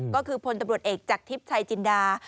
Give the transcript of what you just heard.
ก็คือพลตำรวจเอกจากทิพย์ชัยจินดา